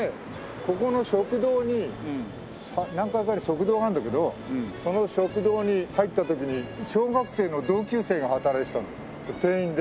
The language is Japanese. ここの食堂に何階かに食堂があるんだけどその食堂に入った時に小学生の同級生が働いてたんだよ店員で。